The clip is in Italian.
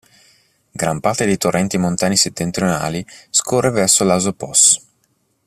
Gran parte dei torrenti montani settentrionali scorre verso l'Asopos.